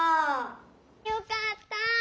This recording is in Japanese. よかった！